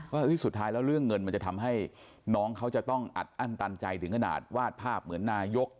ว่าสุดท้ายแล้วเรื่องเงินมันจะทำให้น้องเขาจะต้องอัดอั้นตันใจถึงขนาดวาดภาพเหมือนนายก